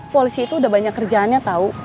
polisi itu udah banyak kerjaannya tahu